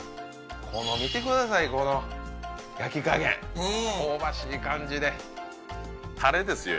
この見てくださいこの焼き加減香ばしい感じでタレですよ